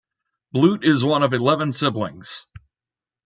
Blute is one of eleven siblings.